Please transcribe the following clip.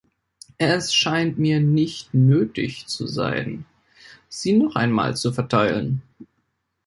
Es scheint mir nicht nötig zu sein, sie noch einmal zu verteilen.